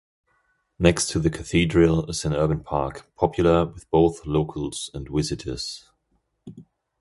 Next to the Cathedral is an urban park, popular with both locals and visitors.